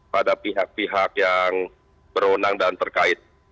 pada pihak pihak yang berwenang dan terkait